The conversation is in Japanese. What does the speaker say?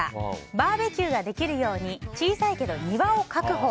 バーベキューができるように小さいけど庭を確保。